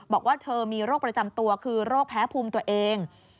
บอกว่าเธอมีโรคประจำตัวคือโรคแพ้ภูมิตัวเอง